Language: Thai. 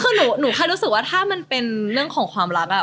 คือหนูแค่รู้สึกว่าถ้ามันเป็นเรื่องของความรัก